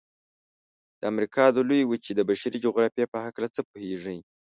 د امریکا د لویې وچې د بشري جغرافیې په هلکه څه پوهیږئ؟